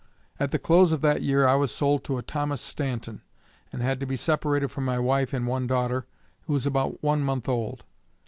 At the close of that year I was sold to a Thomas Stanton, and had to be separated from my wife and one daughter, who was about one month old.